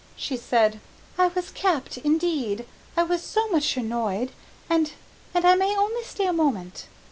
She said, "I was kept indeed, I was so much annoyed and and I may only stay a moment."